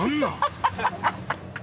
ハハハハ！